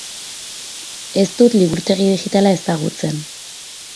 Ez dut liburutegi digitala ezagutzen.